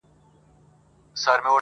دومره خو هم گراني بې باكه نه يې